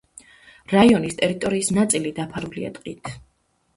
რაიონის ტერიტორიის ნაწილი დაფარულია ტყით.